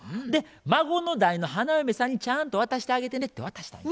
「孫の代の花嫁さんにちゃんと渡してあげてね」って渡したんや。